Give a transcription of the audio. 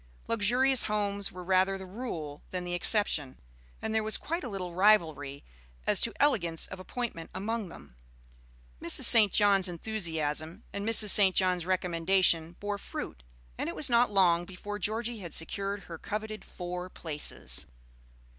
Luxurious homes were rather the rule than the exception, and there was quite a little rivalry as to elegance of appointment among them. Mrs. St. John's enthusiasm and Mrs. St. John's recommendation bore fruit, and it was not long before Georgie had secured her coveted "four places."